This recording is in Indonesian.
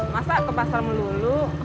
masa ke pasar melulu